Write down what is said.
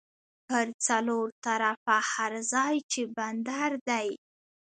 پر څلور طرفه هر ځای چې بندر دی